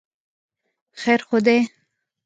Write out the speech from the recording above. خیر خو دی.